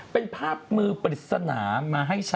เป็นภาพมือปริศนามาให้ใช้